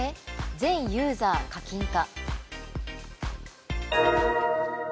全ユーザー課金か。